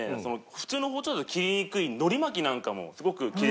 普通の包丁だと切りにくい海苔巻きなんかもすごく切れ味いいですね。